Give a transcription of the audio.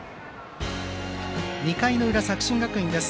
２回の裏、作新学院です。